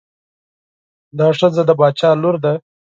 دا ښځه د باچا لور ده.